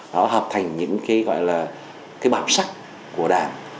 nó hợp thành những cái gọi là cái bảo sắc của đàm